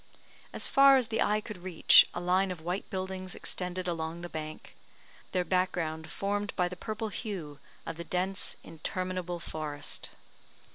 As far as the eye could reach, a line of white buildings extended along the bank; their background formed by the purple hue of the dense, interminable forest.